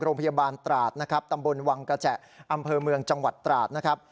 โรงพยาบาลตราดนะครับตำบลวังกระแจอำเภอเมืองจังหวัดตราดนะครับ